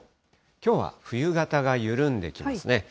きょうは冬型が緩んできますね。